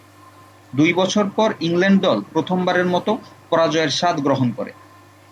দুই বছর পর ইংল্যান্ড দল প্রথমবারের মতো পরাজয়ের স্বাদ গ্রহণ করে।